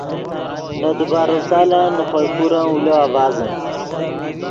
نے دیبارو سالن نے خوئے پورن اولو آڤازیم